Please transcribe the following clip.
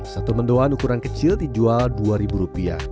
satu mendoan ukuran kecil dijual dua ribu rupiah